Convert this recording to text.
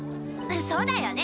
そうだよね。